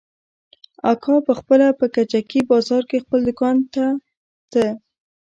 اکا پخپله په کجکي بازار کښې خپل دوکان ته ته.